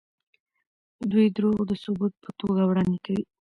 دوی دروغ د ثبوت په توګه وړاندې کوي.